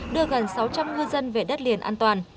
đưa gần sáu trăm linh ngư dân về đất liền an toàn